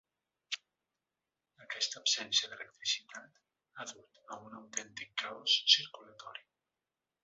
Aquesta absència d’electricitat ha dut a un autèntic caos circulatori.